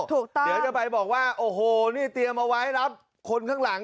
ถูกต้องเดี๋ยวจะไปบอกว่าโอ้โหนี่เตรียมเอาไว้รับคนข้างหลัง